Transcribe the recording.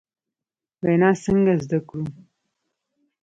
وینا څنګه زدکړو ؟